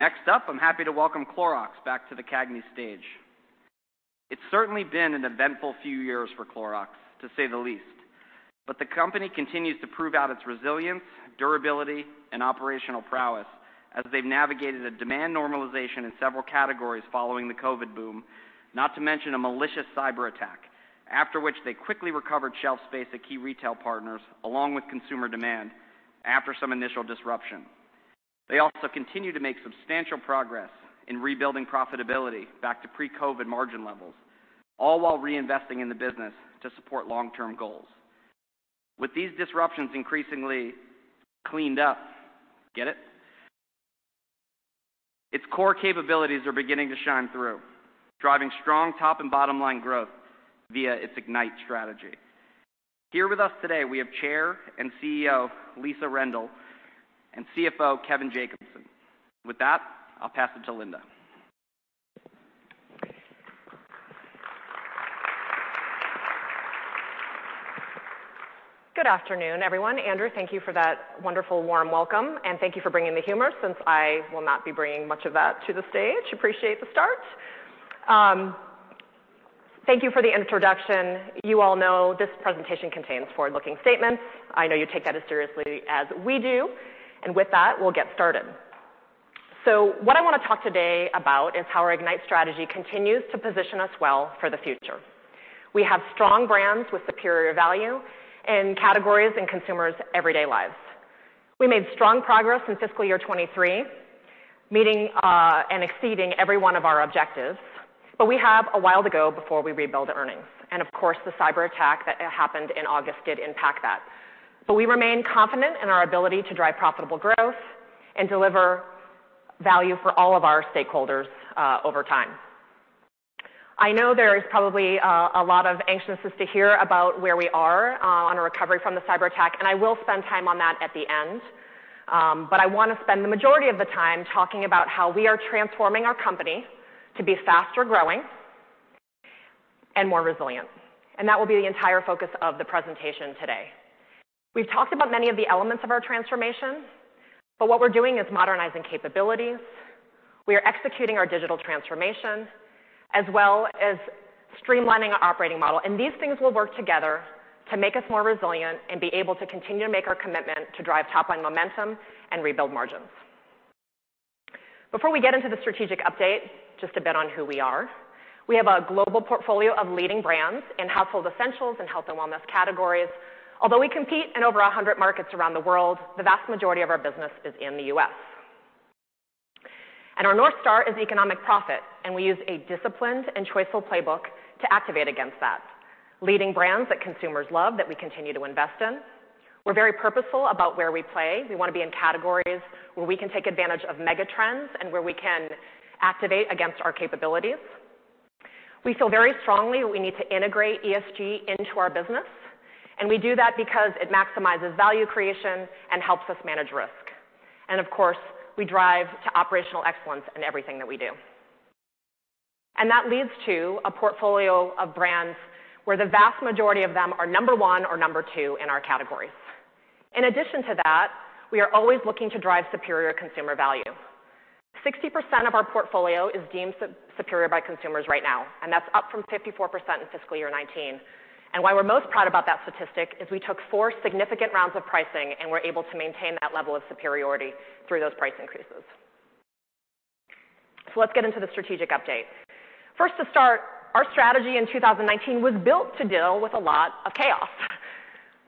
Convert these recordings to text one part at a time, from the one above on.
Next up, I'm happy to welcome Clorox back to the CAGNY stage. It's certainly been an eventful few years for Clorox, to say the least, but the company continues to prove out its resilience, durability, and operational prowess as they've navigated a demand normalization in several categories following the COVID boom, not to mention a malicious cyberattack, after which they quickly recovered shelf space at key retail partners along with consumer demand after some initial disruption. They also continue to make substantial progress in rebuilding profitability back to pre-COVID margin levels, all while reinvesting in the business to support long-term goals. With these disruptions increasingly "cleaned up" (get it?), its core capabilities are beginning to shine through, driving strong top and bottom line growth via its Ignite strategy. Here with us today we have Chair and CEO Linda Rendle and CFO Kevin Jacobsen. With that, I'll pass it to Linda. Good afternoon, everyone. Andrew, thank you for that wonderful, warm welcome, and thank you for bringing the humor, since I will not be bringing much of that to the stage. Appreciate the start. Thank you for the introduction. You all know this presentation contains forward-looking statements. I know you take that as seriously as we do. And with that, we'll get started. So what I want to talk today about is how our Ignite strategy continues to position us well for the future. We have strong brands with superior value in categories and consumers' everyday lives. We made strong progress in fiscal year 2023, meeting and exceeding every one of our objectives, but we have a while to go before we rebuild earnings. And of course, the cyberattack that happened in August did impact that. We remain confident in our ability to drive profitable growth and deliver value for all of our stakeholders over time. I know there is probably a lot of anxiousness to hear about where we are on our recovery from the cyberattack, and I will spend time on that at the end. I want to spend the majority of the time talking about how we are transforming our company to be faster growing and more resilient. That will be the entire focus of the presentation today. We've talked about many of the elements of our transformation, but what we're doing is modernizing capabilities. We are executing our digital transformation, as well as streamlining our operating model. These things will work together to make us more resilient and be able to continue to make our commitment to drive top-line momentum and rebuild margins. Before we get into the strategic update, just a bit on who we are. We have a global portfolio of leading brands in household essentials and health and wellness categories. Although we compete in over 100 markets around the world, the vast majority of our business is in the U.S. And our North Star is economic profit, and we use a disciplined and choiceful playbook to activate against that: leading brands that consumers love, that we continue to invest in. We're very purposeful about where we play. We want to be in categories where we can take advantage of mega trends and where we can activate against our capabilities. We feel very strongly that we need to integrate ESG into our business, and we do that because it maximizes value creation and helps us manage risk. And of course, we drive to operational excellence in everything that we do. That leads to a portfolio of brands where the vast majority of them are number one or number two in our categories. In addition to that, we are always looking to drive superior consumer value. 60% of our portfolio is deemed superior by consumers right now, and that's up from 54% in fiscal year 2019. Why we're most proud about that statistic is we took four significant rounds of pricing and were able to maintain that level of superiority through those price increases. Let's get into the strategic update. First to start, our strategy in 2019 was built to deal with a lot of chaos.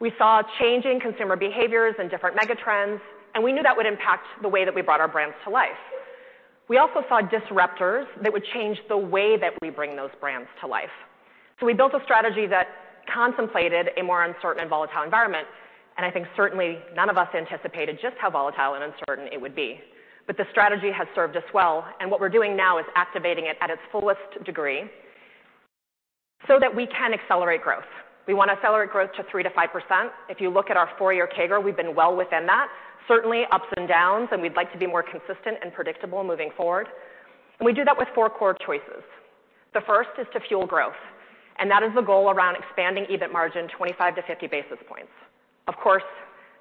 We saw changing consumer behaviors and different mega trends, and we knew that would impact the way that we brought our brands to life. We also saw disruptors that would change the way that we bring those brands to life. So we built a strategy that contemplated a more uncertain and volatile environment, and I think certainly none of us anticipated just how volatile and uncertain it would be. But the strategy has served us well, and what we're doing now is activating it at its fullest degree so that we can accelerate growth. We want to accelerate growth to 3%-5%. If you look at our four-year CAGR, we've been well within that, certainly ups and downs, and we'd like to be more consistent and predictable moving forward. And we do that with four core choices. The first is to Fuel Growth, and that is the goal around expanding EBIT margin 25% to 50 basis points. Of course,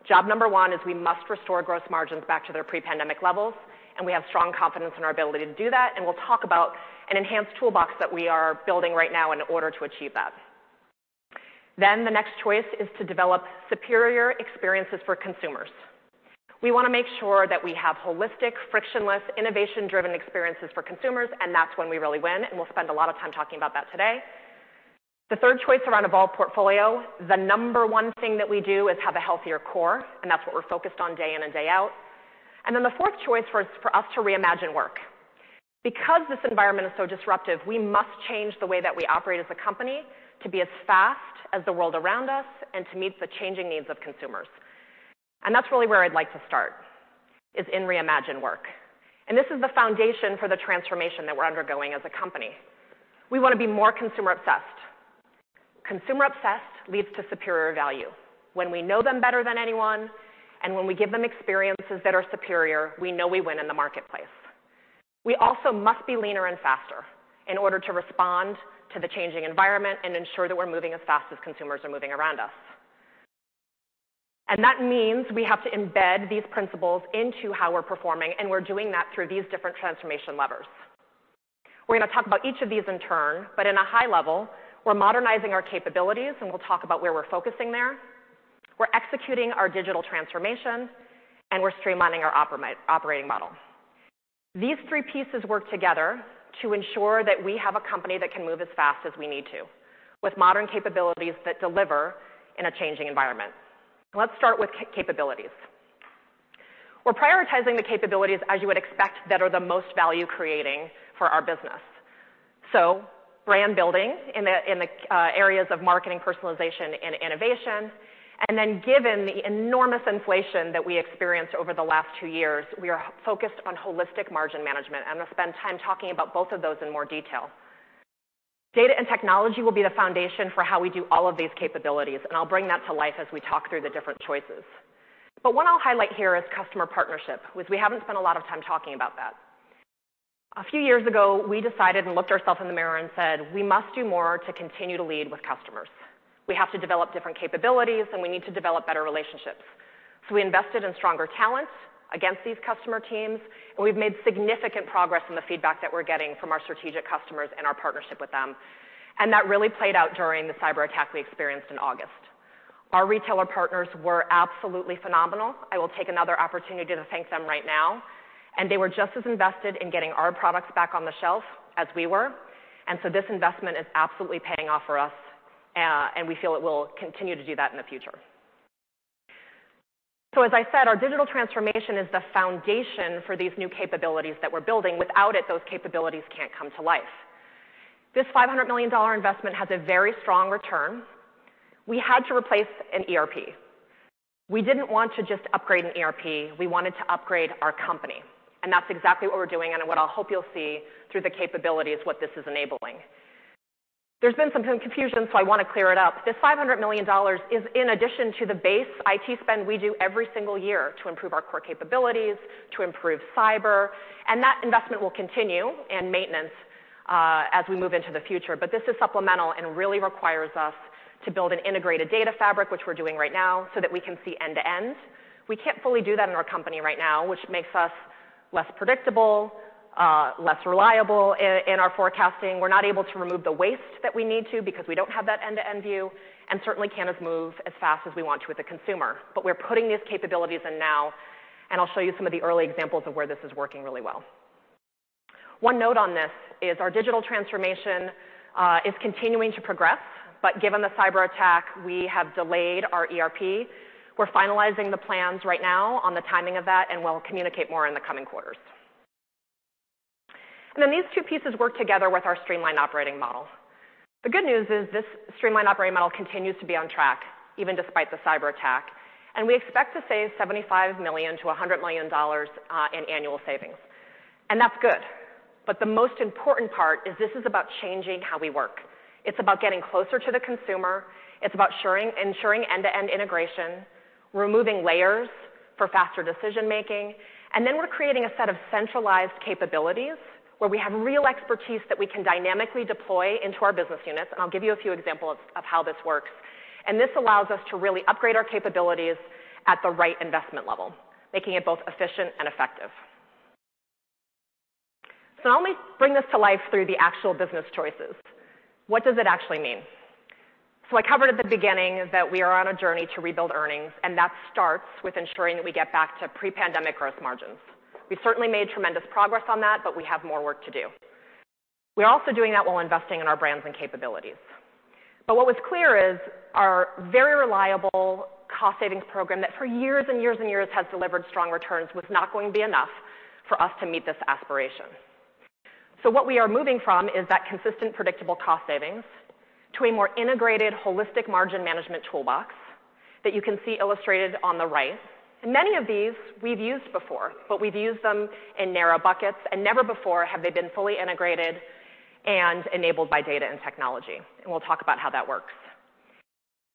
job number one is we must restore gross margins back to their pre-pandemic levels, and we have strong confidence in our ability to do that, and we'll talk about an enhanced toolbox that we are building right now in order to achieve that. Then the next choice is to develop superior experiences for consumers. We want to make sure that we have holistic, frictionless, innovation-driven experiences for consumers, and that's when we really win, and we'll spend a lot of time talking about that today. The third choice around Evolved Portfolio, the number one thing that we do is have a healthier core, and that's what we're focused on day in and day out. And then the fourth choice for us to Reimagine Work. Because this environment is so disruptive, we must change the way that we operate as a company to be as fast as the world around us and to meet the changing needs of consumers. That's really where I'd like to start, is in Reimagine Work. This is the foundation for the transformation that we're undergoing as a company. We want to be more consumer-obsessed. Consumer-obsessed leads to superior value. When we know them better than anyone, and when we give them experiences that are superior, we know we win in the marketplace. We also must be leaner and faster in order to respond to the changing environment and ensure that we're moving as fast as consumers are moving around us. That means we have to embed these principles into how we're performing, and we're doing that through these different transformation levers. We're going to talk about each of these in turn, but in a high level, we're modernizing our capabilities, and we'll talk about where we're focusing there. We're executing our digital transformation, and we're streamlining our operating model. These three pieces work together to ensure that we have a company that can move as fast as we need to, with modern capabilities that deliver in a changing environment. Let's start with capabilities. We're prioritizing the capabilities, as you would expect, that are the most value-creating for our business. So brand building in the areas of marketing, personalization, and innovation. And then given the enormous inflation that we experienced over the last two years, we are focused on holistic margin management, and I'm going to spend time talking about both of those in more detail. Data and technology will be the foundation for how we do all of these capabilities, and I'll bring that to life as we talk through the different choices. But one I'll highlight here is customer partnership, because we haven't spent a lot of time talking about that. A few years ago, we decided and looked ourselves in the mirror and said, "We must do more to continue to lead with customers. We have to develop different capabilities, and we need to develop better relationships." So we invested in stronger talent against these customer teams, and we've made significant progress in the feedback that we're getting from our strategic customers and our partnership with them. And that really played out during the cyberattack we experienced in August. Our retailer partners were absolutely phenomenal. I will take another opportunity to thank them right now. And they were just as invested in getting our products back on the shelf as we were, and so this investment is absolutely paying off for us, and we feel it will continue to do that in the future. So as I said, our digital transformation is the foundation for these new capabilities that we're building. Without it, those capabilities can't come to life. This $500 million investment has a very strong return. We had to replace an ERP. We didn't want to just upgrade an ERP. We wanted to upgrade our company. And that's exactly what we're doing, and what I'll hope you'll see through the capabilities, what this is enabling. There's been some confusion, so I want to clear it up. This $500 million is in addition to the base IT spend we do every single year to improve our core capabilities, to improve cyber, and that investment will continue and maintenance as we move into the future. But this is supplemental and really requires us to build an integrated data fabric, which we're doing right now, so that we can see end to end. We can't fully do that in our company right now, which makes us less predictable, less reliable in our forecasting. We're not able to remove the waste that we need to because we don't have that end-to-end view, and certainly can't move as fast as we want to with the consumer. But we're putting these capabilities in now, and I'll show you some of the early examples of where this is working really well. One note on this is our digital transformation is continuing to progress, but given the cyberattack, we have delayed our ERP. We're finalizing the plans right now on the timing of that, and we'll communicate more in the coming quarters. And then these two pieces work together with our streamlined operating model. The good news is this streamlined operating model continues to be on track, even despite the cyberattack, and we expect to save $75 million-$100 million in annual savings. And that's good. But the most important part is this is about changing how we work. It's about getting closer to the consumer. It's about ensuring end-to-end integration, removing layers for faster decision-making, and then we're creating a set of centralized capabilities where we have real expertise that we can dynamically deploy into our business units. I'll give you a few examples of how this works. This allows us to really upgrade our capabilities at the right investment level, making it both efficient and effective. I'll only bring this to life through the actual business choices. What does it actually mean? I covered at the beginning that we are on a journey to rebuild earnings, and that starts with ensuring that we get back to pre-pandemic gross margins. We certainly made tremendous progress on that, but we have more work to do. We are also doing that while investing in our brands and capabilities. What was clear is our very reliable cost-savings program that for years and years and years has delivered strong returns was not going to be enough for us to meet this aspiration. What we are moving from is that consistent, predictable cost savings to a more integrated, holistic margin management toolbox that you can see illustrated on the right. Many of these we've used before, but we've used them in narrow buckets, and never before have they been fully integrated and enabled by data and technology. We'll talk about how that works.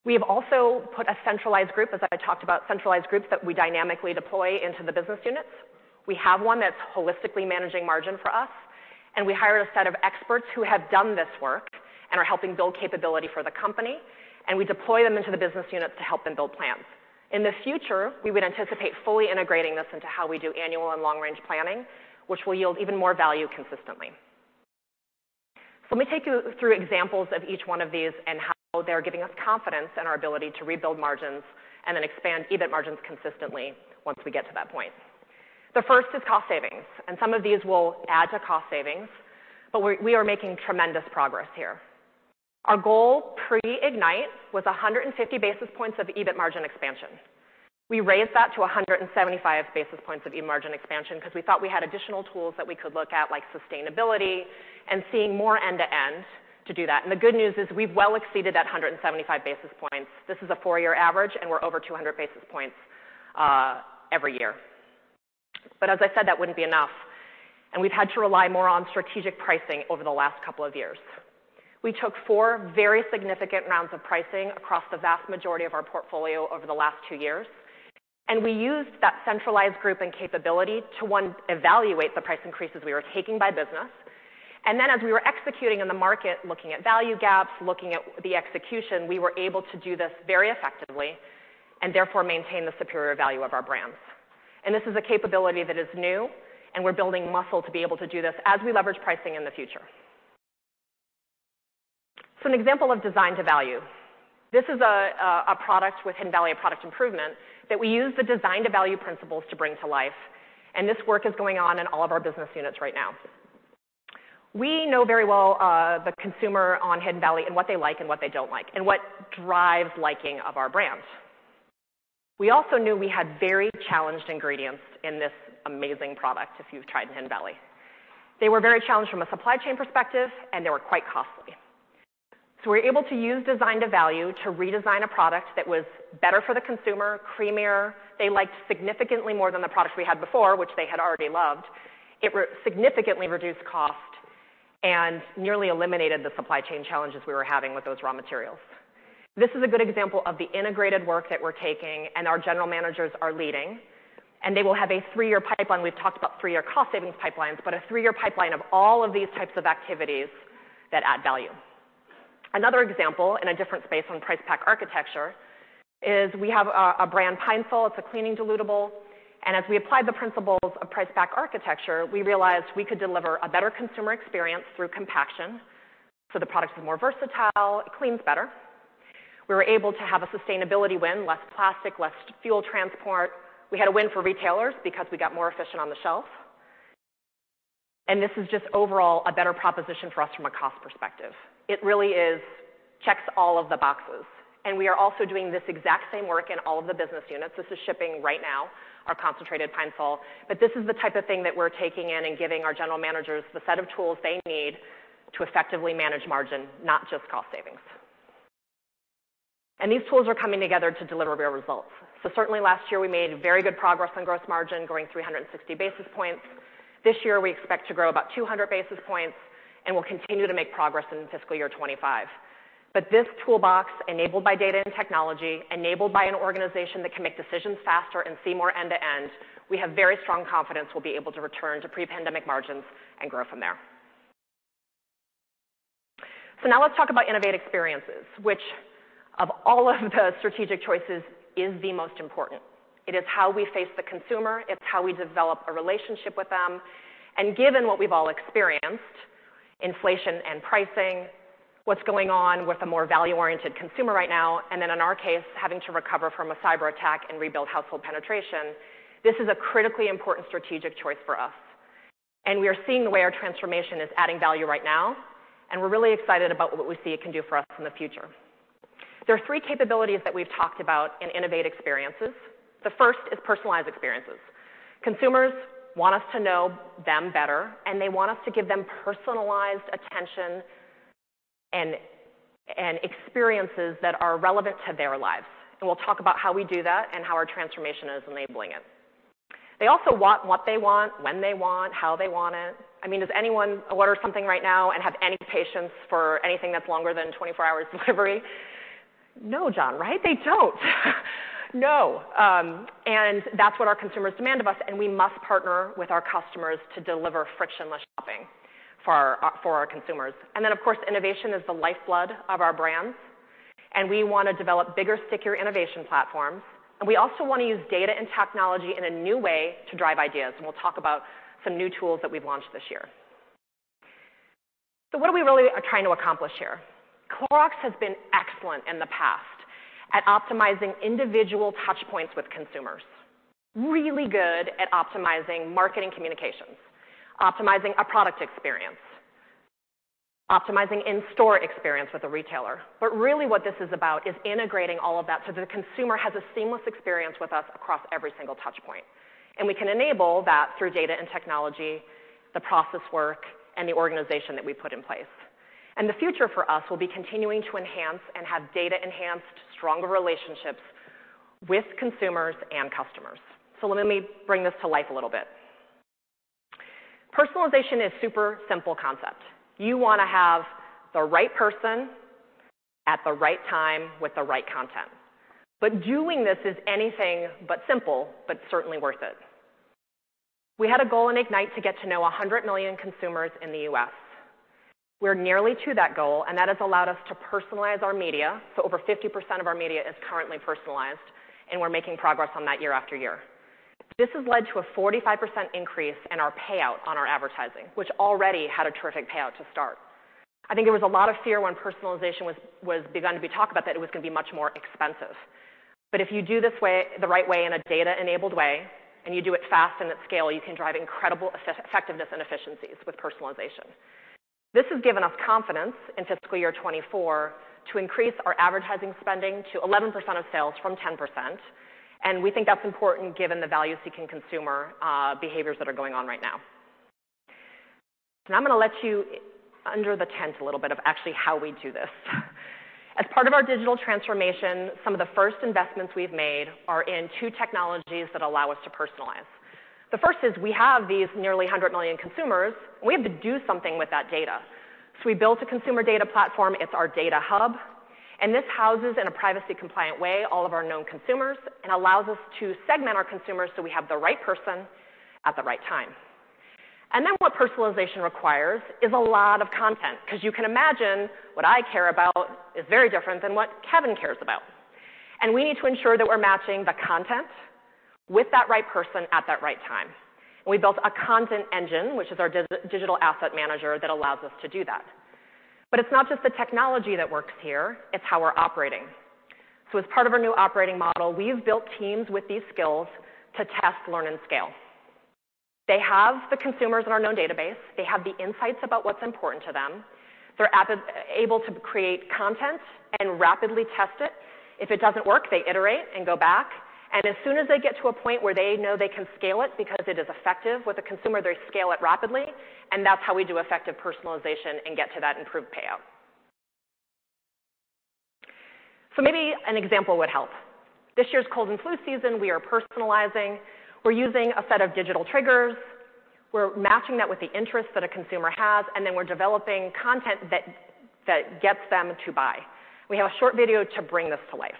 We have also put a centralized group, as I talked about, centralized groups that we dynamically deploy into the business units. We have one that's holistically managing margin for us, and we hired a set of experts who have done this work and are helping build capability for the company, and we deploy them into the business units to help them build plans. In the future, we would anticipate fully integrating this into how we do annual and long-range planning, which will yield even more value consistently. Let me take you through examples of each one of these and how they're giving us confidence in our ability to rebuild margins and then expand EBIT margins consistently once we get to that point. The first is cost savings, and some of these will add to cost savings, but we are making tremendous progress here. Our goal pre-Ignite was 150 basis points of EBIT margin expansion. We raised that to 175 basis points of EBIT margin expansion because we thought we had additional tools that we could look at, like sustainability and seeing more end-to-end to do that. The good news is we've well exceeded that 175 basis points. This is a four-year average, and we're over 200 basis points every year. But as I said, that wouldn't be enough, and we've had to rely more on strategic pricing over the last couple of years. We took four very significant rounds of pricing across the vast majority of our portfolio over the last two years, and we used that centralized group and capability to, one, evaluate the price increases we were taking by business. And then as we were executing in the market, looking at value gaps, looking at the execution, we were able to do this very effectively and therefore maintain the superior value of our brands. And this is a capability that is new, and we're building muscle to be able to do this as we leverage pricing in the future. So an example of Design to Value. This is a product with Hidden Valley product improvement that we use the Design to Value principles to bring to life, and this work is going on in all of our business units right now. We know very well the consumer on Hidden Valley and what they like and what they don't like and what drives liking of our brand. We also knew we had very challenged ingredients in this amazing product if you've tried Hidden Valley. They were very challenged from a supply chain perspective, and they were quite costly. So we were able to use Design to Value to redesign a product that was better for the consumer, creamier. They liked significantly more than the product we had before, which they had already loved. It significantly reduced cost and nearly eliminated the supply chain challenges we were having with those raw materials. This is a good example of the integrated work that we're taking, and our general managers are leading, and they will have a three-year pipeline. We've talked about three-year cost savings pipelines, but a three-year pipeline of all of these types of activities that add value. Another example in a different space on Price Pack Architecture is we have a brand Pine-Sol. It's a cleaning dilutable, and as we applied the principles of Price Pack Architecture, we realized we could deliver a better consumer experience through compaction. So the product is more versatile. It cleans better. We were able to have a sustainability win, less plastic, less fuel transport. We had a win for retailers because we got more efficient on the shelf. And this is just overall a better proposition for us from a cost perspective. It really checks all of the boxes, and we are also doing this exact same work in all of the business units. This is shipping right now, our concentrated Pine-Sol, but this is the type of thing that we're taking in and giving our general managers the set of tools they need to effectively manage margin, not just cost savings. And these tools are coming together to deliver real results. So certainly last year, we made very good progress on gross margin, growing 360 basis points. This year, we expect to grow about 200 basis points, and we'll continue to make progress in fiscal year 2025. But this toolbox, enabled by data and technology, enabled by an organization that can make decisions faster and see more end-to-end, we have very strong confidence we'll be able to return to pre-pandemic margins and grow from there. So now let's talk about Innovate Experiences, which of all of the strategic choices is the most important? It is how we face the consumer. It's how we develop a relationship with them. Given what we've all experienced, inflation and pricing, what's going on with a more value-oriented consumer right now, and then in our case, having to recover from a cyberattack and rebuild household penetration, this is a critically important strategic choice for us. We are seeing the way our transformation is adding value right now, and we're really excited about what we see it can do for us in the future. There are three capabilities that we've talked about in Innovate Experiences. The first is personalized experiences. Consumers want us to know them better, and they want us to give them personalized attention and experiences that are relevant to their lives. We'll talk about how we do that and how our transformation is enabling it. They also want what they want, when they want, how they want it. I mean, is anyone aware of something right now and have any patience for anything that's longer than 24 hours delivery? No, John, right? They don't. No. And that's what our consumers demand of us, and we must partner with our customers to deliver frictionless shopping for our consumers. And then, of course, innovation is the lifeblood of our brands, and we want to develop bigger, stickier innovation platforms. And we also want to use data and technology in a new way to drive ideas, and we'll talk about some new tools that we've launched this year. So what are we really trying to accomplish here? Clorox has been excellent in the past at optimizing individual touchpoints with consumers, really good at optimizing marketing communications, optimizing a product experience, optimizing in-store experience with a retailer. But really, what this is about is integrating all of that so the consumer has a seamless experience with us across every single touchpoint, and we can enable that through data and technology, the process work, and the organization that we put in place. And the future for us will be continuing to enhance and have data-enhanced, stronger relationships with consumers and customers. So let me bring this to life a little bit. Personalization is a super simple concept. You want to have the right person at the right time with the right content. But doing this is anything but simple, but certainly worth it. We had a goal in Ignite to get to know 100 million consumers in the U.S. We're nearly to that goal, and that has allowed us to personalize our media. So over 50% of our media is currently personalized, and we're making progress on that year after year. This has led to a 45% increase in our payout on our advertising, which already had a terrific payout to start. I think there was a lot of fear when personalization was begun to be talked about, that it was going to be much more expensive. But if you do this the right way in a data-enabled way and you do it fast and at scale, you can drive incredible effectiveness and efficiencies with personalization. This has given us confidence in fiscal year 2024 to increase our advertising spending to 11% of sales from 10%, and we think that's important given the value-seeking consumer behaviors that are going on right now. So now I'm going to let you under the tent a little bit of actually how we do this. As part of our digital transformation, some of the first investments we've made are in two technologies that allow us to personalize. The first is we have these nearly 100 million consumers, and we have to do something with that data. So we built a consumer data platform. It's our data hub, and this houses in a privacy-compliant way all of our known consumers and allows us to segment our consumers so we have the right person at the right time. And then what personalization requires is a lot of content because you can imagine what I care about is very different than what Kevin cares about, and we need to ensure that we're matching the content with that right person at that right time. And we built a content engine, which is our digital asset manager, that allows us to do that. But it's not just the technology that works here. It's how we're operating. So as part of our new operating model, we've built teams with these skills to test, learn, and scale. They have the consumers in our known database. They have the insights about what's important to them. They're able to create content and rapidly test it. If it doesn't work, they iterate and go back. And as soon as they get to a point where they know they can scale it because it is effective with a consumer, they scale it rapidly, and that's how we do effective personalization and get to that improved payout. So maybe an example would help. This year's cold and flu season, we are personalizing. We're using a set of digital triggers. We're matching that with the interests that a consumer has, and then we're developing content that gets them to buy. We have a short video to bring this to life.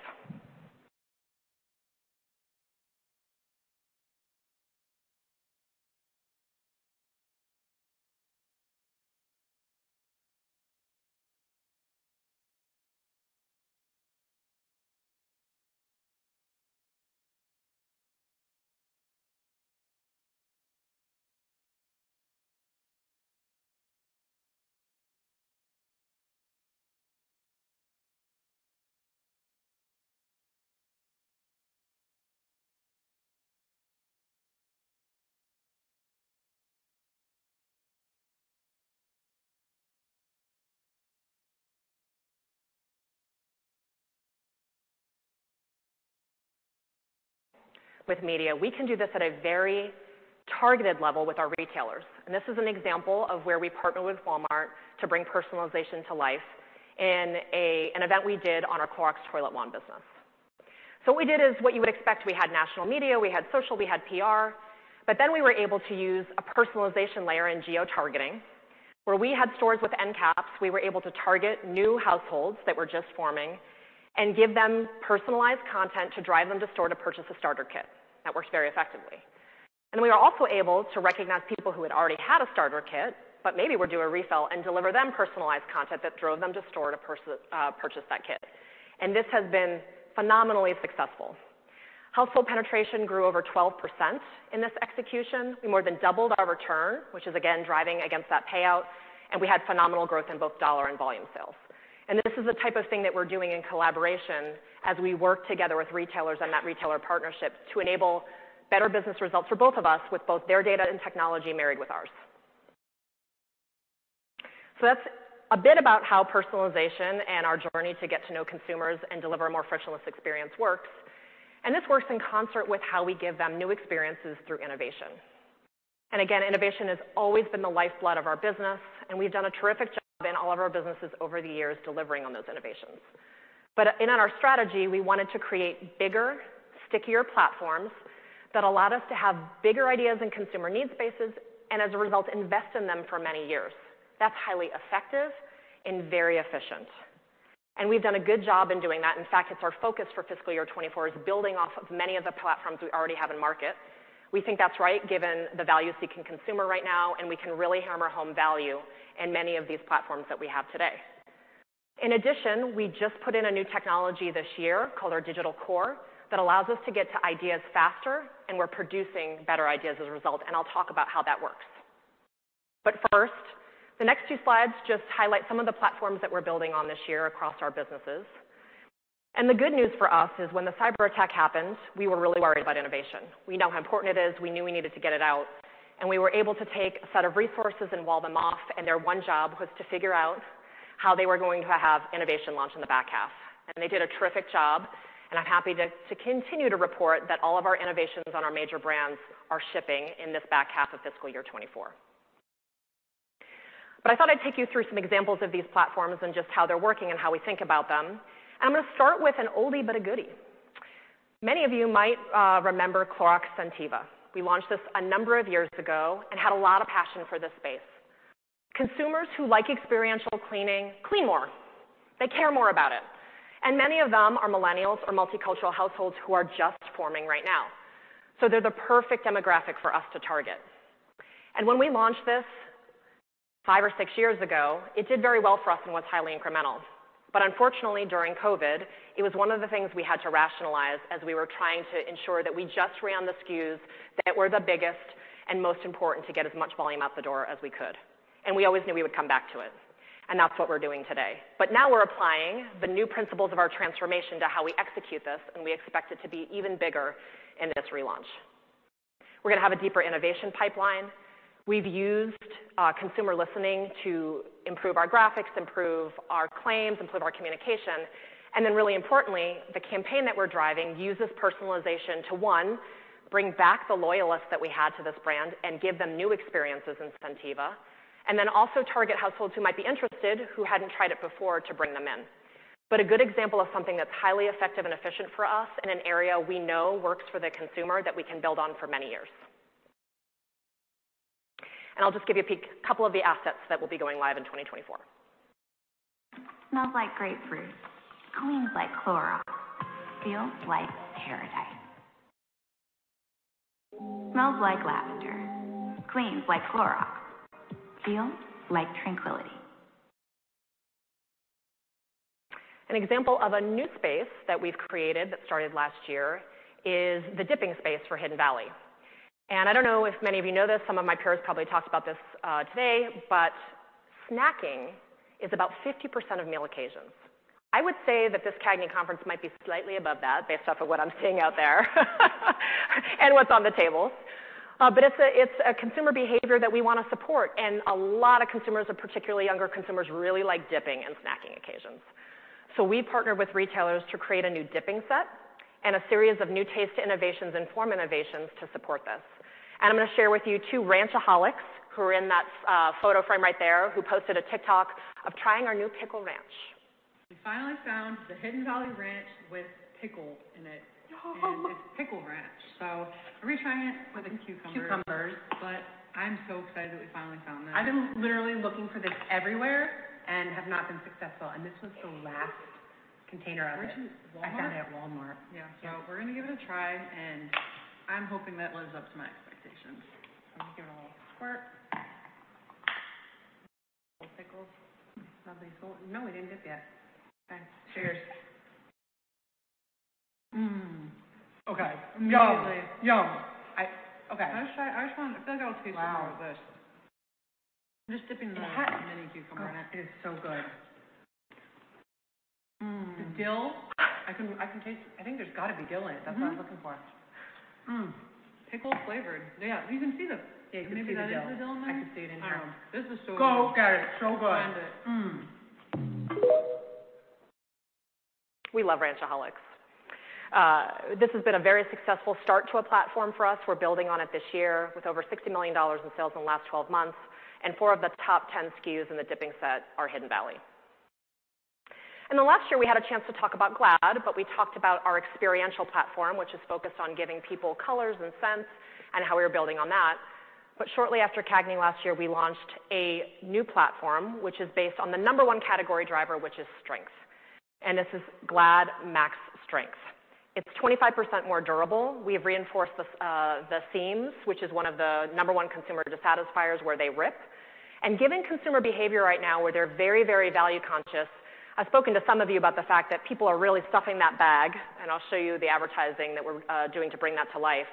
With media, we can do this at a very targeted level with our retailers, and this is an example of where we partner with Walmart to bring personalization to life in an event we did on our Clorox ToiletWand business. So what we did is what you would expect. We had national media. We had social. We had PR. But then we were able to use a personalization layer in geotargeting where we had stores with end caps. We were able to target new households that were just forming and give them personalized content to drive them to store to purchase a starter kit. That worked very effectively. Then we were also able to recognize people who had already had a starter kit, but maybe we're doing a refill and deliver them personalized content that drove them to store to purchase that kit. This has been phenomenally successful. Household penetration grew over 12% in this execution. We more than doubled our return, which is again driving against that payout, and we had phenomenal growth in both dollar and volume sales. This is the type of thing that we're doing in collaboration as we work together with retailers and that retailer partnership to enable better business results for both of us with both their data and technology married with ours. So that's a bit about how personalization and our journey to get to know consumers and deliver a more frictionless experience works. This works in concert with how we give them new experiences through innovation. Again, innovation has always been the lifeblood of our business, and we've done a terrific job in all of our businesses over the years delivering on those innovations. But in our strategy, we wanted to create bigger, stickier platforms that allowed us to have bigger ideas and consumer needs bases and, as a result, invest in them for many years. That's highly effective and very efficient, and we've done a good job in doing that. In fact, it's our focus for fiscal year 2024 is building off of many of the platforms we already have in market. We think that's right given the value-seeking consumer right now, and we can really hammer home value in many of these platforms that we have today. In addition, we just put in a new technology this year called our Digital Core that allows us to get to ideas faster, and we're producing better ideas as a result, and I'll talk about how that works. But first, the next two slides just highlight some of the platforms that we're building on this year across our businesses. The good news for us is when the cyberattack happened, we were really worried about innovation. We know how important it is. We knew we needed to get it out, and we were able to take a set of resources and wall them off, and their one job was to figure out how they were going to have innovation launch in the back half. And they did a terrific job, and I'm happy to continue to report that all of our innovations on our major brands are shipping in this back half of fiscal year 2024. I thought I'd take you through some examples of these platforms and just how they're working and how we think about them. I'm going to start with an oldie but a goodie. Many of you might remember Clorox Scentiva. We launched this a number of years ago and had a lot of passion for this space. Consumers who like experiential cleaning clean more. They care more about it, and many of them are millennials or multicultural households who are just forming right now. So they're the perfect demographic for us to target. When we launched this five or six years ago, it did very well for us and was highly incremental. But unfortunately, during COVID, it was one of the things we had to rationalize as we were trying to ensure that we just ran the SKUs that were the biggest and most important to get as much volume out the door as we could. And we always knew we would come back to it, and that's what we're doing today. But now we're applying the new principles of our transformation to how we execute this, and we expect it to be even bigger in this relaunch. We're going to have a deeper innovation pipeline. We've used consumer listening to improve our graphics, improve our claims, improve our communication. Then really importantly, the campaign that we're driving uses personalization to, one, bring back the loyalists that we had to this brand and give them new experiences in Scentiva, and then also target households who might be interested, who hadn't tried it before, to bring them in. But a good example of something that's highly effective and efficient for us in an area we know works for the consumer that we can build on for many years. And I'll just give you a peek at a couple of the assets that will be going live in 2024. Smells like grapefruit. Cleans like Clorox. Feels like paradise. Smells like lavender. Cleans like Clorox. Feels like tranquility. An example of a new space that we've created that started last year is the dipping space for Hidden Valley. I don't know if many of you know this. Some of my peers probably talked about this today, but snacking is about 50% of meal occasions. I would say that this CAGNY conference might be slightly above that based off of what I'm seeing out there and what's on the tables. It's a consumer behavior that we want to support, and a lot of consumers, particularly younger consumers, really like dipping and snacking occasions. We partnered with retailers to create a new dipping set and a series of new taste innovations and form innovations to support this. I'm going to share with you two Ranchaholics who are in that photo frame right there who posted a TikTok of trying our new pickle ranch. We finally found the Hidden Valley Ranch with pickles in it. It's pickle ranch. So I'm retrying it with cucumbers. Cucumbers. But I'm so excited that we finally found this. I've been literally looking for this everywhere and have not been successful, and this was the last container of it. Where'd you? I got it at Walmart. Yeah. So we're going to give it a try, and I'm hoping that lives up to my expectations. So I'm going to give it a little squirt. Little pickles. No, we didn't dip yet. Okay. Cheers. Okay. Yum. Okay. I feel like I will taste more of this. Wow. I'm just dipping the mini cucumber in it. It is so good. The dill, I can taste. I think there's got to be dill in it. That's what I was looking for. Pickle-flavored. Yeah. You can see the. Yeah. You can see the dill. Maybe that is the dill in there. I can see it in here. This is so good. Go. Get it. So good. Find it. We love Ranchaholics. This has been a very successful start to a platform for us. We're building on it this year with over $60 million in sales in the last 12 months, and four of the top 10 SKUs in the dipping set are Hidden Valley. Then last year, we had a chance to talk about Glad, but we talked about our experiential platform, which is focused on giving people colors and scents and how we were building on that. But shortly after CAGNY last year, we launched a new platform, which is based on the number one category driver, which is strength, and this is Glad MaxStrength. It's 25% more durable. We have reinforced the seams, which is one of the number one consumer dissatisfiers where they rip. Given consumer behavior right now where they're very, very value conscious, I've spoken to some of you about the fact that people are really stuffing that bag, and I'll show you the advertising that we're doing to bring that to life.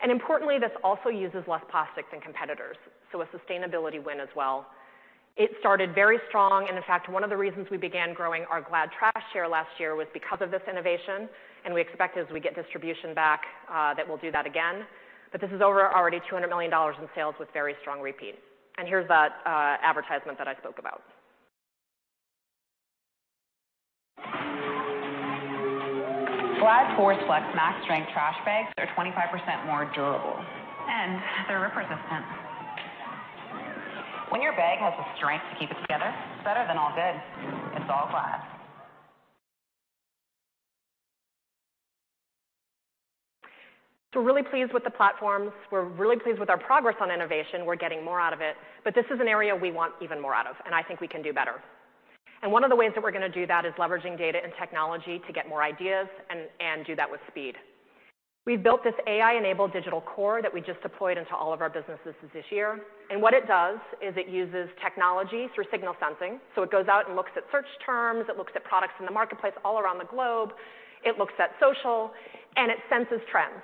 And importantly, this also uses less plastics than competitors, so a sustainability win as well. It started very strong, and in fact, one of the reasons we began growing our Glad trash share last year was because of this innovation, and we expect as we get distribution back that we'll do that again. But this is over already $200 million in sales with very strong repeat. And here's that advertisement that I spoke about. Glad ForceFlex MaxStrength trash bags are 25% more durable, and they're rip-resistant. When your bag has the strength to keep it together, better than all good. It's all Glad. So we're really pleased with the platforms. We're really pleased with our progress on innovation. We're getting more out of it, but this is an area we want even more out of, and I think we can do better. And one of the ways that we're going to do that is leveraging data and technology to get more ideas and do that with speed. We've built this AI-enabled Digital Core that we just deployed into all of our businesses this year, and what it does is it uses technology through signal sensing. So it goes out and looks at search terms. It looks at products in the marketplace all around the globe. It looks at social, and it senses trends.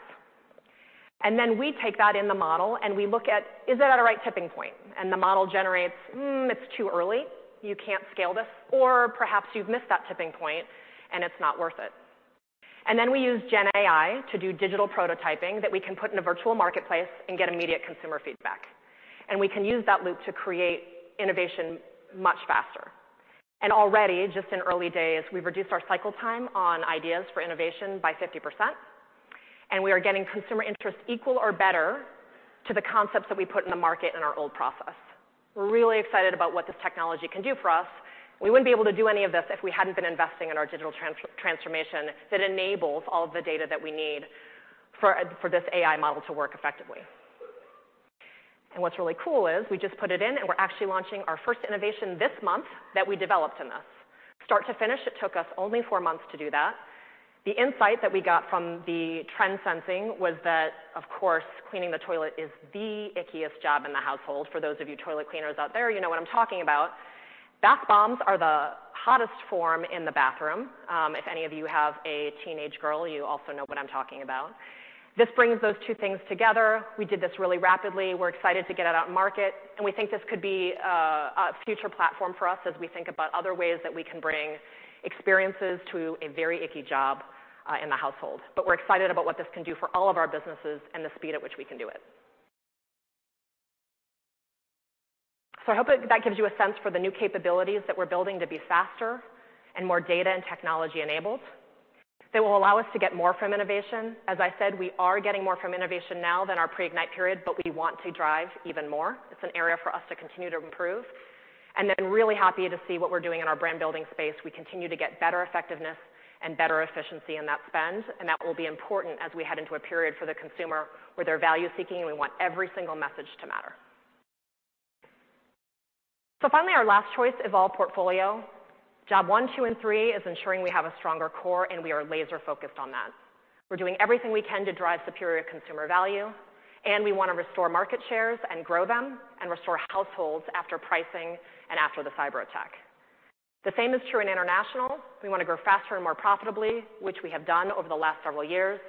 And then we take that in the model, and we look at, is it at a right tipping point? And the model generates, it's too early. You can't scale this, or perhaps you've missed that tipping point, and it's not worth it. And then we use GenAI to do digital prototyping that we can put in a virtual marketplace and get immediate consumer feedback. And we can use that loop to create innovation much faster. And already, just in early days, we've reduced our cycle time on ideas for innovation by 50%, and we are getting consumer interest equal or better to the concepts that we put in the market in our old process. We're really excited about what this technology can do for us. We wouldn't be able to do any of this if we hadn't been investing in our digital transformation that enables all of the data that we need for this AI model to work effectively. What's really cool is we just put it in, and we're actually launching our first innovation this month that we developed in this. Start to finish, it took us only four months to do that. The insight that we got from the trend sensing was that, of course, cleaning the toilet is the ickiest job in the household. For those of you toilet cleaners out there, you know what I'm talking about. Bath bombs are the hottest form in the bathroom. If any of you have a teenage girl, you also know what I'm talking about. This brings those two things together. We did this really rapidly. We're excited to get it out in market, and we think this could be a future platform for us as we think about other ways that we can bring experiences to a very icky job in the household. But we're excited about what this can do for all of our businesses and the speed at which we can do it. So I hope that gives you a sense for the new capabilities that we're building to be faster and more data and technology-enabled that will allow us to get more from innovation. As I said, we are getting more from innovation now than our pre-Ignite period, but we want to drive even more. It's an area for us to continue to improve. And then really happy to see what we're doing in our brand-building space. We continue to get better effectiveness and better efficiency in that spend, and that will be important as we head into a period for the consumer where they're value-seeking, and we want every single message to matter. So finally, our last choice, Evolve Portfolio, job one, two, and three is ensuring we have a stronger core, and we are laser-focused on that. We're doing everything we can to drive superior consumer value, and we want to restore market shares and grow them and restore households after pricing and after the cyberattack. The same is true in international. We want to grow faster and more profitably, which we have done over the last several years,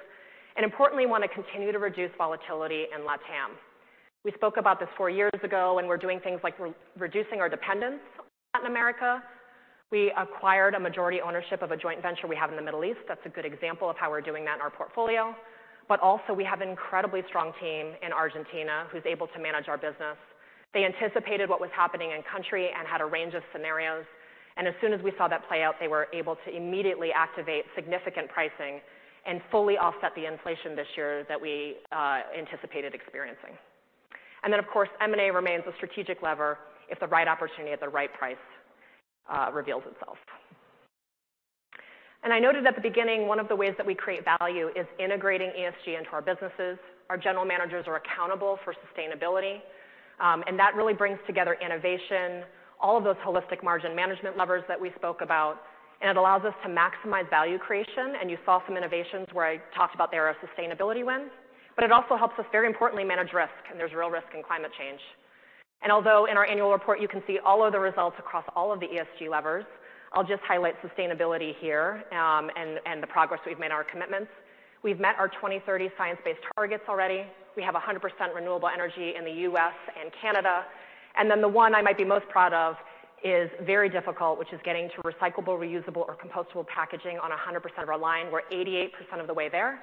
and importantly, want to continue to reduce volatility in LatAm. We spoke about this four years ago, and we're doing things like reducing our dependence on Latin America. We acquired a majority ownership of a joint venture we have in the Middle East. That's a good example of how we're doing that in our portfolio. But also, we have an incredibly strong team in Argentina who's able to manage our business. They anticipated what was happening in country and had a range of scenarios, and as soon as we saw that play out, they were able to immediately activate significant pricing and fully offset the inflation this year that we anticipated experiencing. Then, of course, M&A remains a strategic lever if the right opportunity at the right price reveals itself. I noted at the beginning, one of the ways that we create value is integrating ESG into our businesses. Our general managers are accountable for sustainability, and that really brings together innovation, all of those holistic margin management levers that we spoke about, and it allows us to maximize value creation. You saw some innovations where I talked about their sustainability win, but it also helps us, very importantly, manage risk, and there's real risk in climate change. Although in our annual report, you can see all of the results across all of the ESG levers, I'll just highlight sustainability here and the progress we've made in our commitments. We've met our 2030 science-based targets already. We have 100% renewable energy in the U.S. and Canada. Then the one I might be most proud of is very difficult, which is getting to recyclable, reusable, or compostable packaging on 100% of our line. We're 88% of the way there,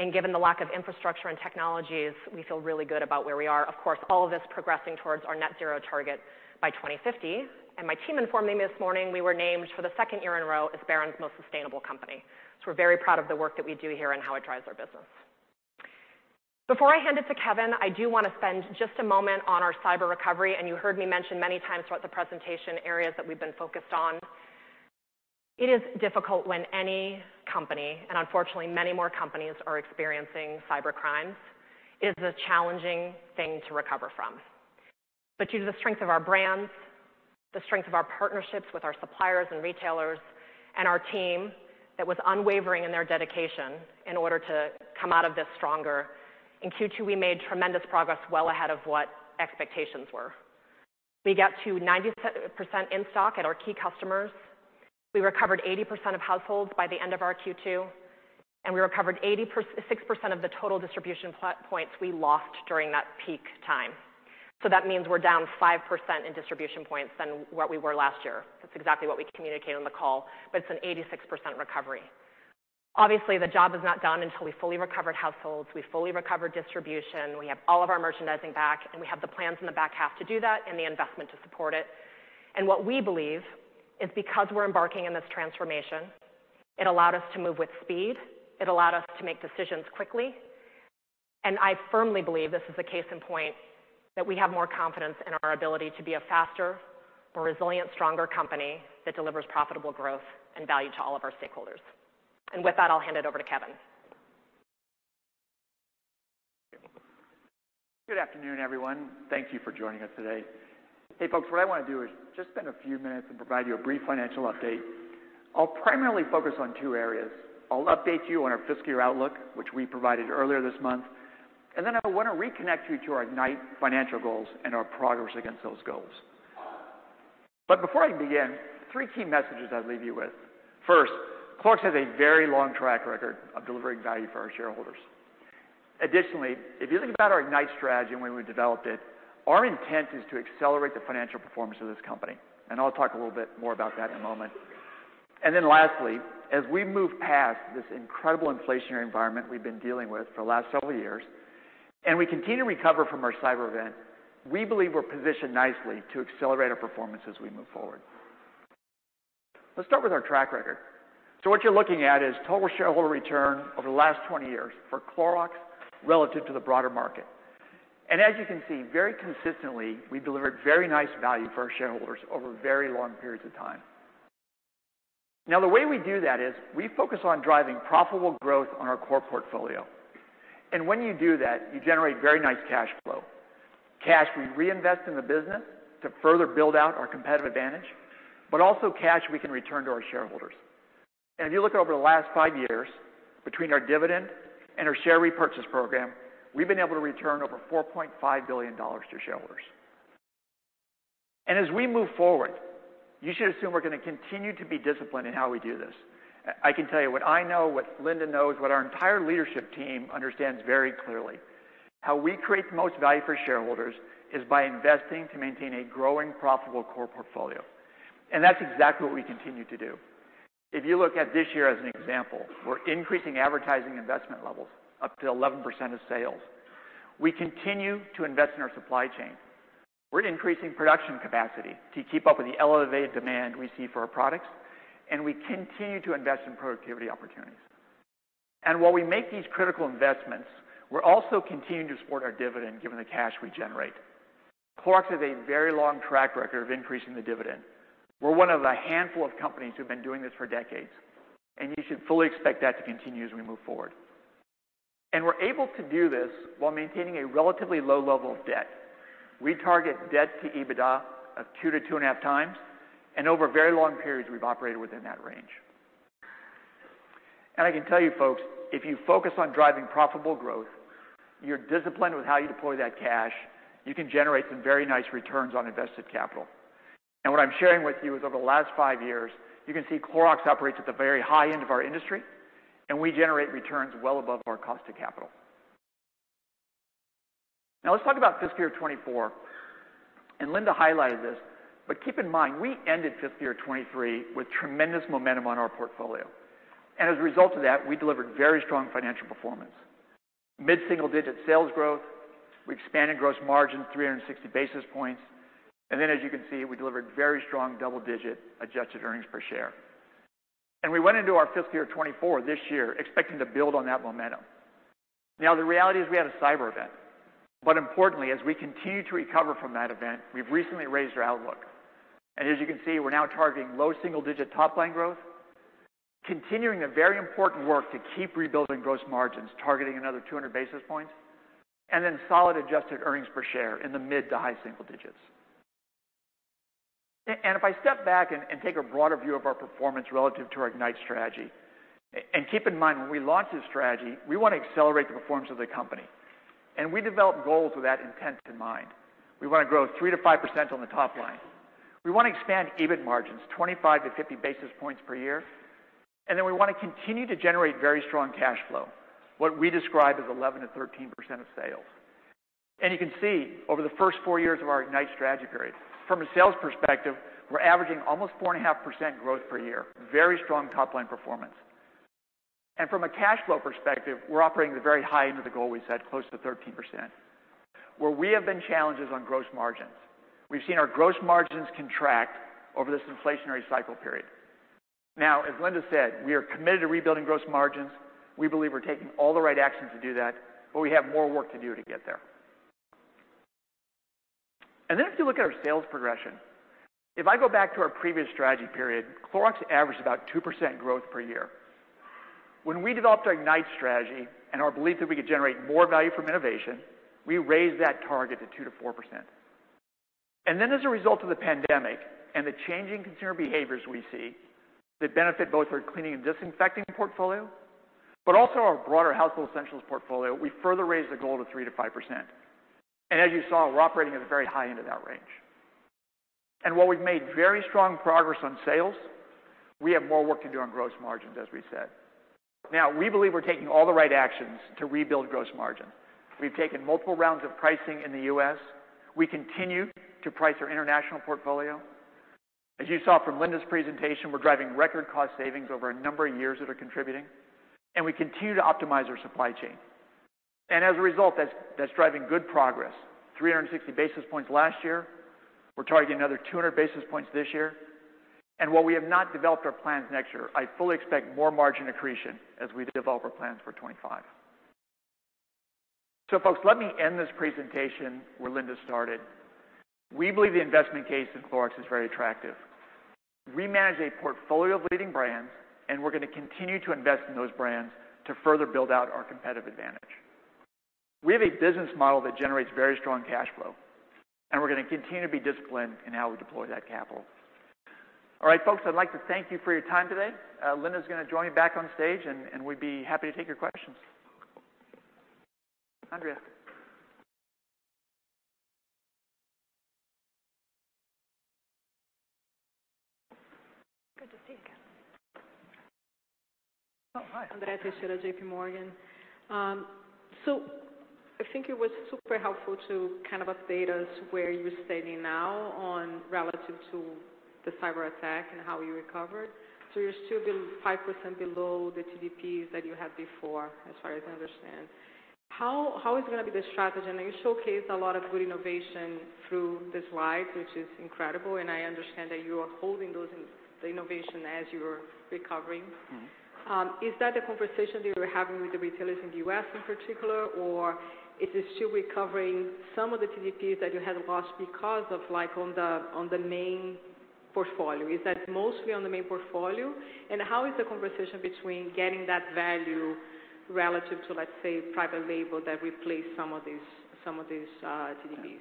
and given the lack of infrastructure and technologies, we feel really good about where we are. Of course, all of this progressing towards our net-zero target by 2050. My team informed me this morning we were named for the second year in a row as Barron's most sustainable company. So we're very proud of the work that we do here and how it drives our business. Before I hand it to Kevin, I do want to spend just a moment on our cyber recovery, and you heard me mention many times throughout the presentation areas that we've been focused on. It is difficult when any company, and unfortunately, many more companies, are experiencing cyber crimes. It is a challenging thing to recover from. But due to the strength of our brands, the strength of our partnerships with our suppliers and retailers, and our team that was unwavering in their dedication in order to come out of this stronger, in Q2, we made tremendous progress well ahead of what expectations were. We got to 90% in stock at our key customers. We recovered 80% of households by the end of our Q2, and we recovered 86% of the total distribution points we lost during that peak time. So that means we're down 5% in distribution points than what we were last year. That's exactly what we communicated on the call, but it's an 86% recovery. Obviously, the job is not done until we fully recovered households. We fully recovered distribution. We have all of our merchandising back, and we have the plans in the back half to do that and the investment to support it. And what we believe is because we're embarking in this transformation, it allowed us to move with speed. It allowed us to make decisions quickly, and I firmly believe this is a case in point that we have more confidence in our ability to be a faster, more resilient, stronger company that delivers profitable growth and value to all of our stakeholders. And with that, I'll hand it over to Kevin. Good afternoon, everyone. Thank you for joining us today. Hey, folks, what I want to do is just spend a few minutes and provide you a brief financial update. I'll primarily focus on two areas. I'll update you on our fiscal year outlook, which we provided earlier this month, and then I want to reconnect you to our Ignite financial goals and our progress against those goals. Before I begin, three key messages I'd leave you with. First, Clorox has a very long track record of delivering value for our shareholders. Additionally, if you think about our Ignite strategy and when we developed it, our intent is to accelerate the financial performance of this company, and I'll talk a little bit more about that in a moment. And then lastly, as we move past this incredible inflationary environment we've been dealing with for the last several years and we continue to recover from our cyber event, we believe we're positioned nicely to accelerate our performance as we move forward. Let's start with our track record. So what you're looking at is total shareholder return over the last 20 years for Clorox relative to the broader market. And as you can see, very consistently, we've delivered very nice value for our shareholders over very long periods of time. Now, the way we do that is we focus on driving profitable growth on our core portfolio. And when you do that, you generate very nice cash flow. Cash we reinvest in the business to further build out our competitive advantage, but also cash we can return to our shareholders. If you look at over the last five years between our dividend and our share repurchase program, we've been able to return over $4.5 billion to shareholders. As we move forward, you should assume we're going to continue to be disciplined in how we do this. I can tell you what I know, what Linda knows, what our entire leadership team understands very clearly. How we create the most value for shareholders is by investing to maintain a growing, profitable core portfolio, and that's exactly what we continue to do. If you look at this year as an example, we're increasing advertising investment levels up to 11% of sales. We continue to invest in our supply chain. We're increasing production capacity to keep up with the elevated demand we see for our products, and we continue to invest in productivity opportunities. And while we make these critical investments, we're also continuing to support our dividend given the cash we generate. Clorox has a very long track record of increasing the dividend. We're one of a handful of companies who've been doing this for decades, and you should fully expect that to continue as we move forward. And we're able to do this while maintaining a relatively low level of debt. We target debt to EBITDA of 2-2.5 times, and over very long periods, we've operated within that range. And I can tell you, folks, if you focus on driving profitable growth, you're disciplined with how you deploy that cash, you can generate some very nice returns on invested capital. What I'm sharing with you is over the last 5 years, you can see Clorox operates at the very high end of our industry, and we generate returns well above our cost of capital. Now, let's talk about fiscal year 2024. Linda highlighted this, but keep in mind, we ended fiscal year 2023 with tremendous momentum on our portfolio. As a result of that, we delivered very strong financial performance, mid-single-digit sales growth. We expanded gross margin 360 basis points, and then, as you can see, we delivered very strong double-digit adjusted earnings per share. We went into our fiscal year 2024 this year expecting to build on that momentum. Now, the reality is we had a cyber event, but importantly, as we continue to recover from that event, we've recently raised our outlook. As you can see, we're now targeting low single-digit top-line growth, continuing the very important work to keep rebuilding gross margins, targeting another 200 basis points, and then solid adjusted earnings per share in the mid to high single digits. If I step back and take a broader view of our performance relative to our Ignite strategy, and keep in mind, when we launch this strategy, we want to accelerate the performance of the company, and we develop goals with that intent in mind. We want to grow 3%-5% on the top line. We want to expand EBIT margins 25-50 basis points per year, and then we want to continue to generate very strong cash flow, what we describe as 11%-13% of sales. You can see, over the first four years of our Ignite strategy period, from a sales perspective, we're averaging almost 4.5% growth per year, very strong top-line performance. And from a cash flow perspective, we're operating at the very high end of the goal we set, close to 13%, where we have been challenged on gross margins. We've seen our gross margins contract over this inflationary cycle period. Now, as Linda said, we are committed to rebuilding gross margins. We believe we're taking all the right actions to do that, but we have more work to do to get there. And then if you look at our sales progression, if I go back to our previous strategy period, Clorox averaged about 2% growth per year. When we developed our Ignite strategy and our belief that we could generate more value from innovation, we raised that target to 2%-4%. And then, as a result of the pandemic and the changing consumer behaviors we see that benefit both our cleaning and disinfecting portfolio, but also our broader household essentials portfolio, we further raised the goal to 3%-5%. And as you saw, we're operating at the very high end of that range. And while we've made very strong progress on sales, we have more work to do on gross margins, as we said. Now, we believe we're taking all the right actions to rebuild gross margins. We've taken multiple rounds of pricing in the U.S. We continue to price our international portfolio. As you saw from Linda's presentation, we're driving record cost savings over a number of years that are contributing, and we continue to optimize our supply chain. As a result, that's driving good progress, 360 basis points last year. We're targeting another 200 basis points this year. While we have not developed our plans next year, I fully expect more margin accretion as we develop our plans for 2025. Folks, let me end this presentation where Linda started. We believe the investment case in Clorox is very attractive. We manage a portfolio of leading brands, and we're going to continue to invest in those brands to further build out our competitive advantage. We have a business model that generates very strong cash flow, and we're going to continue to be disciplined in how we deploy that capital. All right, folks, I'd like to thank you for your time today. Linda is going to join me back on stage, and we'd be happy to take your questions. Andrea. Good to see you again. Oh, hi. I'm Andrea Teixeira, J.P. Morgan. So I think it was super helpful to kind of update us where you're standing now relative to the cyber attack and how you recovered. So you're still 5% below the TDPs that you had before, as far as I understand. How is going to be the strategy? And you showcased a lot of good innovation through the slides, which is incredible. And I understand that you are holding the innovation as you're recovering. Is that the conversation that you were having with the retailers in the U.S. in particular, or is it still recovering some of the TDPs that you had lost because of on the main portfolio? Is that mostly on the main portfolio? How is the conversation between getting that value relative to, let's say, private label that replaced some of these TDPs?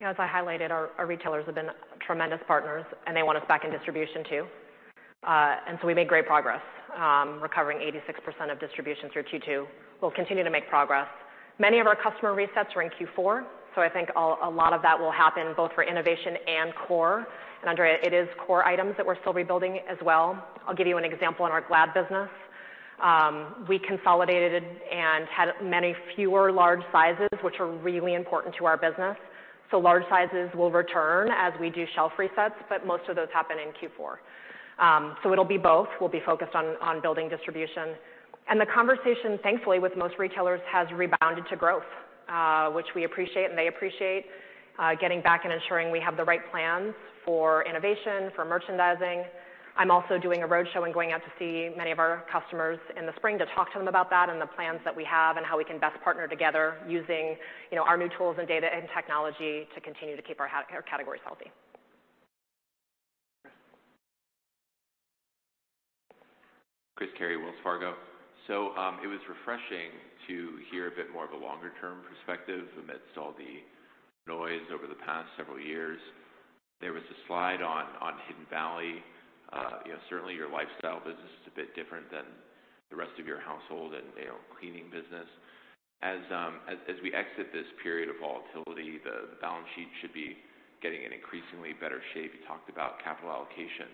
Yeah, as I highlighted, our retailers have been tremendous partners, and they want us back in distribution too. And so we made great progress recovering 86% of distribution through Q2. We'll continue to make progress. Many of our customer resets are in Q4, so I think a lot of that will happen both for innovation and core. And Andrea, it is core items that we're still rebuilding as well. I'll give you an example in our Glad business. We consolidated and had many fewer large sizes, which are really important to our business. So large sizes will return as we do shelf resets, but most of those happen in Q4. So it'll be both. We'll be focused on building distribution. And the conversation, thankfully, with most retailers has rebounded to growth, which we appreciate, and they appreciate getting back and ensuring we have the right plans for innovation, for merchandising. I'm also doing a roadshow and going out to see many of our customers in the spring to talk to them about that and the plans that we have and how we can best partner together using our new tools and data and technology to continue to keep our categories healthy. Chris Carey, Wells Fargo. So it was refreshing to hear a bit more of a longer-term perspective amidst all the noise over the past several years. There was a slide on Hidden Valley. Certainly, your lifestyle business is a bit different than the rest of your household and cleaning business. As we exit this period of volatility, the balance sheet should be getting in increasingly better shape. You talked about capital allocation.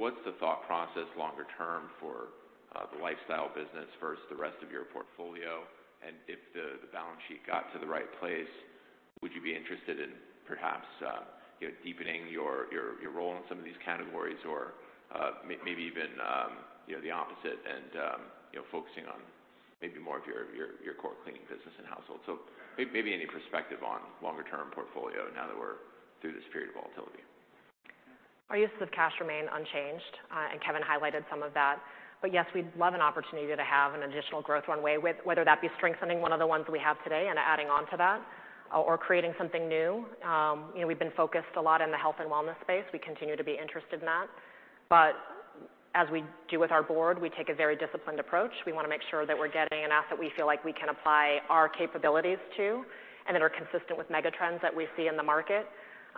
What's the thought process longer term for the lifestyle business versus the rest of your portfolio? And if the balance sheet got to the right place, would you be interested in perhaps deepening your role in some of these categories or maybe even the opposite and focusing on maybe more of your core cleaning business and household? So maybe any perspective on longer-term portfolio now that we're through this period of volatility. Our uses of cash remain unchanged, and Kevin highlighted some of that. But yes, we'd love an opportunity to have an additional growth runway, whether that be strengthening one of the ones we have today and adding on to that or creating something new. We've been focused a lot in the health and wellness space. We continue to be interested in that. But as we do with our board, we take a very disciplined approach. We want to make sure that we're getting an asset we feel like we can apply our capabilities to and that are consistent with megatrends that we see in the market.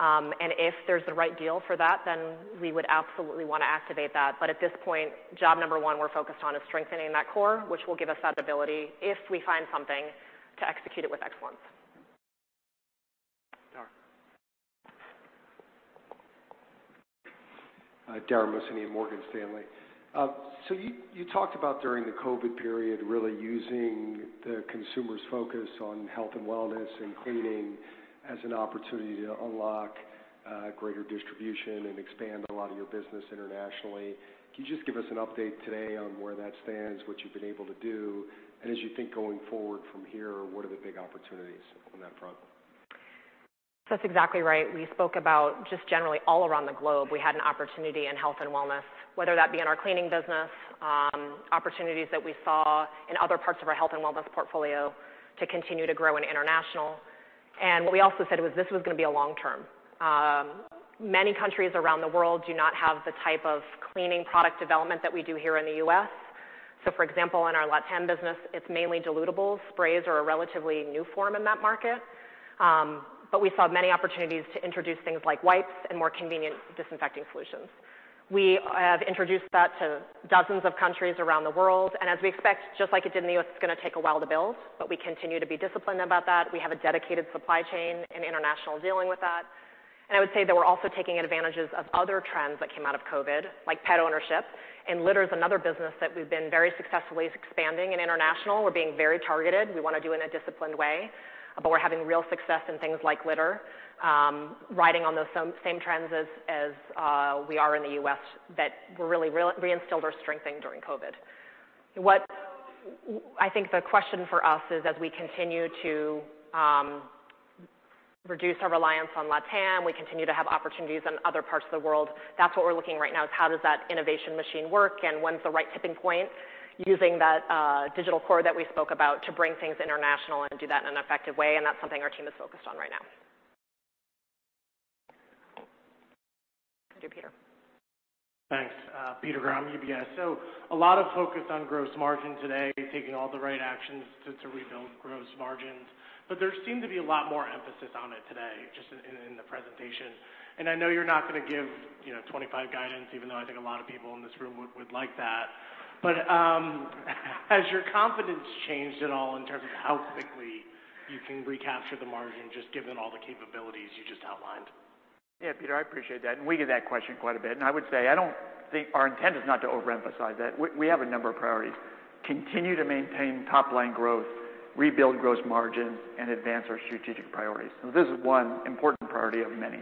And if there's the right deal for that, then we would absolutely want to activate that. At this point, job number one we're focused on is strengthening that core, which will give us that ability, if we find something, to execute it with excellence. Dara. Dara Mohsenian and Morgan Stanley. So you talked about during the COVID period really using the consumer's focus on health and wellness and cleaning as an opportunity to unlock greater distribution and expand a lot of your business internationally. Can you just give us an update today on where that stands, what you've been able to do, and as you think going forward from here, what are the big opportunities on that front? So that's exactly right. We spoke about just generally all around the globe, we had an opportunity in health and wellness, whether that be in our cleaning business, opportunities that we saw in other parts of our health and wellness portfolio to continue to grow internationally. And what we also said was this was going to be a long term. Many countries around the world do not have the type of cleaning product development that we do here in the U.S. So for example, in our LatAm business, it's mainly dilutables. Sprays are a relatively new form in that market. But we saw many opportunities to introduce things like wipes and more convenient disinfecting solutions. We have introduced that to dozens of countries around the world. As we expect, just like it did in the U.S., it's going to take a while to build, but we continue to be disciplined about that. We have a dedicated supply chain and international dealing with that. I would say that we're also taking advantages of other trends that came out of COVID, like pet ownership. Litter is another business that we've been very successfully expanding in international. We're being very targeted. We want to do it in a disciplined way, but we're having real success in things like litter, riding on those same trends as we are in the U.S. that really reinstilled or strengthened during COVID. I think the question for us is, as we continue to reduce our reliance on LatAm, we continue to have opportunities in other parts of the world. That's what we're looking at right now is, how does that innovation machine work, and when's the right tipping point using that Digital Core that we spoke about to bring things international and do that in an effective way? And that's something our team is focused on right now. Thank you, Peter. Thanks. Peter Grom, UBS. So a lot of focus on gross margin today, taking all the right actions to rebuild gross margins. But there seemed to be a lot more emphasis on it today just in the presentation. And I know you're not going to give 2025 guidance, even though I think a lot of people in this room would like that. But has your confidence changed at all in terms of how quickly you can recapture the margin just given all the capabilities you just outlined? Yeah, Peter, I appreciate that. And we get that question quite a bit. And I would say I don't think our intent is not to overemphasize that. We have a number of priorities: continue to maintain top-line growth, rebuild gross margins, and advance our strategic priorities. So this is one important priority of many.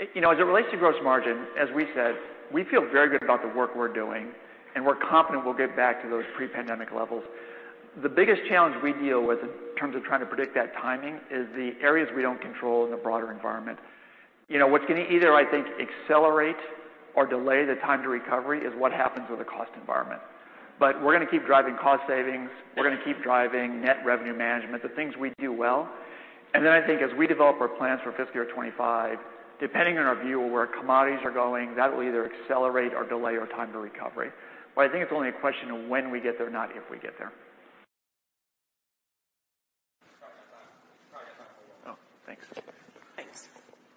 As it relates to gross margin, as we said, we feel very good about the work we're doing, and we're confident we'll get back to those pre-pandemic levels. The biggest challenge we deal with in terms of trying to predict that timing is the areas we don't control in the broader environment. What's going to either, I think, accelerate or delay the time to recovery is what happens with the cost environment. But we're going to keep driving cost savings. We're going to keep driving net revenue management, the things we do well. And then I think, as we develop our plans for fiscal year 2025, depending on our view of where commodities are going, that will either accelerate or delay our time to recovery. But I think it's only a question of when we get there, not if we get there.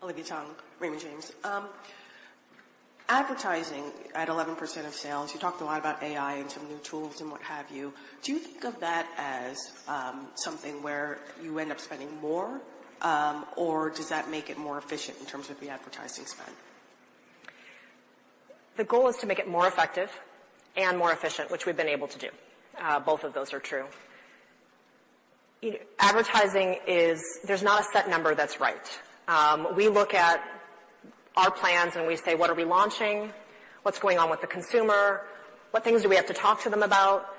We've probably got time for a while. Oh, thanks. Thanks. Olivia Tong, Raymond James. Advertising at 11% of sales, you talked a lot about AI and some new tools and what have you. Do you think of that as something where you end up spending more, or does that make it more efficient in terms of the advertising spend? The goal is to make it more effective and more efficient, which we've been able to do. Both of those are true. Advertising, there's not a set number that's right. We look at our plans, and we say, "What are we launching? What's going on with the consumer? What things do we have to talk to them about?"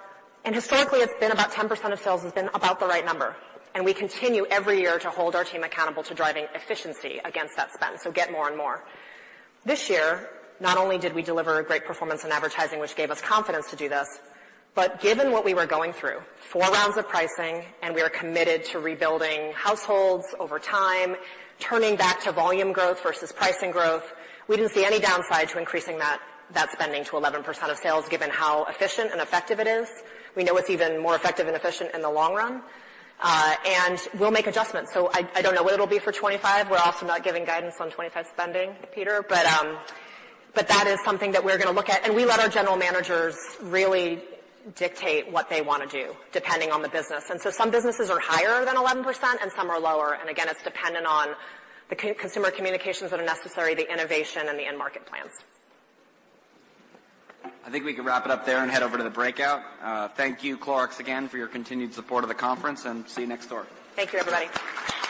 Historically, it's been about 10% of sales has been about the right number. We continue every year to hold our team accountable to driving efficiency against that spend, so get more and more. This year, not only did we deliver a great performance in advertising, which gave us confidence to do this, but given what we were going through, four rounds of pricing, and we are committed to rebuilding households over time, turning back to volume growth versus pricing growth, we didn't see any downside to increasing that spending to 11% of sales, given how efficient and effective it is. We know it's even more effective and efficient in the long run. We'll make adjustments. So I don't know what it'll be for 2025. We're also not giving guidance on 2025 spending, Peter. But that is something that we're going to look at. And we let our general managers really dictate what they want to do depending on the business. And so some businesses are higher than 11%, and some are lower. And again, it's dependent on the consumer communications that are necessary, the innovation, and the end market plans. I think we can wrap it up there and head over to the breakout. Thank you, Clorox, again for your continued support of the conference, and see you next door. Thank you, everybody.